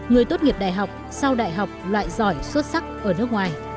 người tốt nghiệp đại học sau đại học loại giỏi xuất sắc ở nước ngoài